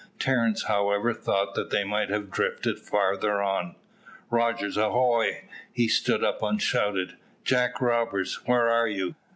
Terence however thought that they might have drifted farther on. "Rogers, ahoy!" he stood up and shouted; "Jack Rogers, where are you?"